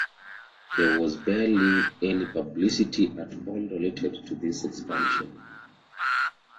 There was barely any publicity at all related to this expansion.